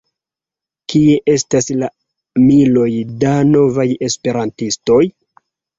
Kie estas la miloj da novaj esperantistoj?